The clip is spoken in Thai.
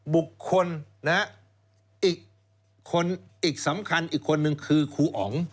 บุคคลอีกคนอีกสำคัญอีกคนนึงคือครูอ๋อง